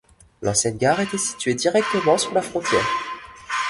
L'ancienne gare était située directement sur la frontière.